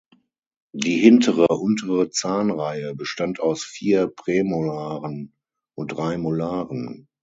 Die hintere untere Zahnreihe bestand aus vier Prämolaren und drei Molaren.